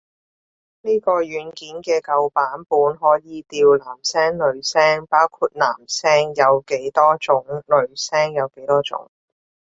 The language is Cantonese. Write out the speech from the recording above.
呢個軟件嘅舊版本可以調男聲女聲，包括男聲有幾多種女聲有幾多種